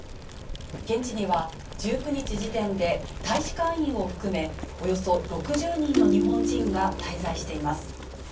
現地には１９日時点で大使館員を含め、およそ６０人の日本人が滞在しています。